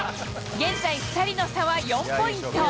現在、２人の差は４ポイント。